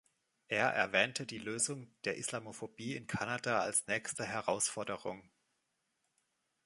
Er erwähnte die Lösung der Islamophobie in Kanada als nächste Herausforderung.